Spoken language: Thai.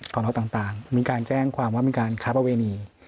ก่อนแล้วต่างมีการแจ้งความว่ามีการคราบอเวนี